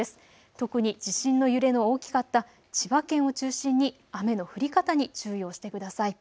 特に地震の揺れの大きかった千葉県を中心に雨の降り方に注意をしてください。